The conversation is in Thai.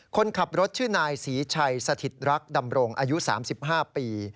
คนขับรถชื่อนายศรีชัยสถิตรักดำรงอายุ๓๕ปี